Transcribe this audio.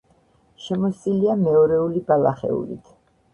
შემოსილია მეორეული ბალახეულით.